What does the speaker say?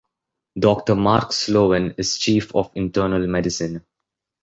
Doctor Mark Sloan is Chief of Internal Medicine.